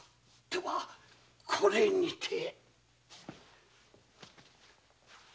ではこれにて。